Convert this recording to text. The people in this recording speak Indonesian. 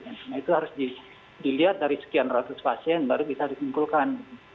nah itu harus dilihat dari sekian ratus pasien baru bisa disimpulkan